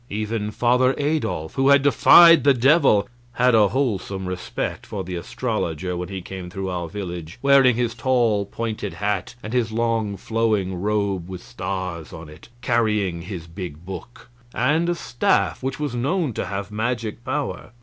Even Father Adolf, who had defied the Devil, had a wholesome respect for the astrologer when he came through our village wearing his tall, pointed hat and his long, flowing robe with stars on it, carrying his big book, and a staff which was known to have magic power.